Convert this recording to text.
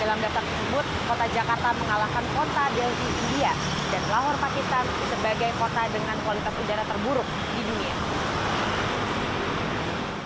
dalam daftar tersebut kota jakarta mengalahkan kota delhi india dan lahor pakistan sebagai kota dengan kualitas udara terburuk di dunia